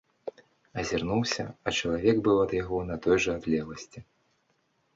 Азірнуўся, а чалавек быў ад яго на той жа адлегласці.